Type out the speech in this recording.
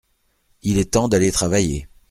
Il est temps d’aller travailler.